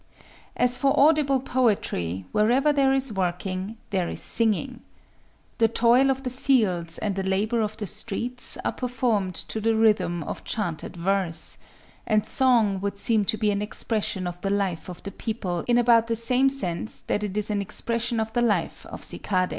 _ As for audible poetry, wherever there is working there is singing. The toil of the fields and the labor of the streets are performed to the rhythm of chanted verse; and song would seem to be an expression of the life of the people in about the same sense that it is an expression of the life of cicadæ….